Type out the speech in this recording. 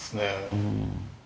うん。